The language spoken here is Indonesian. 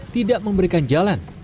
tidak memberikan jalan